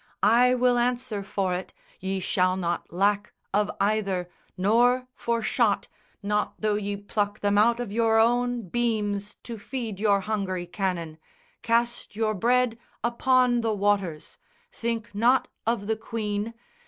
I will answer for it Ye shall not lack of either, nor for shot, Not though ye pluck them out of your own beams To feed your hungry cannon. Cast your bread Upon the waters. Think not of the Queen!